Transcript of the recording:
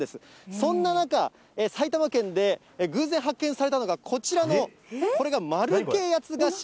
そんな中、埼玉県で偶然発見されたのが、こちらの、これが丸系八つ頭。